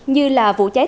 như là vụ cháy